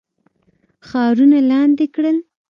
ښارونه لاندي کړل.